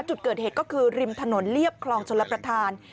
จุดเกิดเหตุก็คือริมถนนเรียบคลองชลประธาน